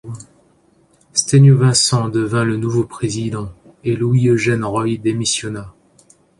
Sténio Vincent devint le nouveau président et Louis Eugène Roy démissionna.